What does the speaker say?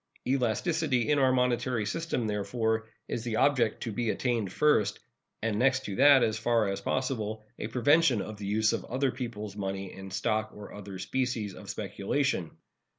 Elasticity in our monetary system, therefore, is the object to be attained first, and next to that, as far as possible, a prevention of the use of other people's money in stock and other species of speculation.